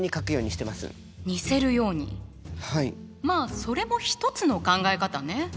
まあそれも一つの考え方ね。